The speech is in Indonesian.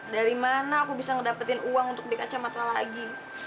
dari mana aku bisa ngedapetin uang untuk dikacamata lagi